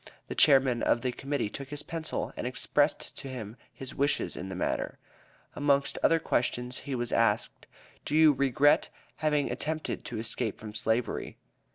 the Chairman of the Committee took his pencil and expressed to him his wishes in the matter. Amongst other questions, he was asked: "Do you regret having attempted to escape from slavery?"